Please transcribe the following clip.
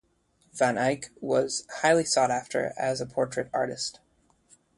Van Eyck was highly sought after as a portrait artist.